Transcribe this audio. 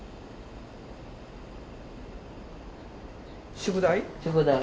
宿題。